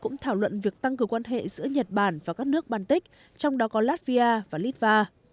cũng thảo luận việc tăng cường quan hệ giữa nhật bản và các nước baltic trong đó có latvia và litva